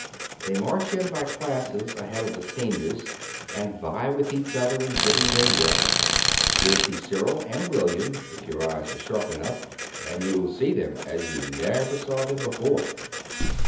They march in by classes ahead of the seniors, and vie with each other in giving their yells. You'll see Cyril and William, if your eyes are sharp enough and you'll see them as you never saw them before."